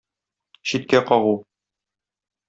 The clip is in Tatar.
Читкә кагу.